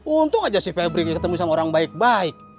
untung aja si febri ketemu sama orang baik baik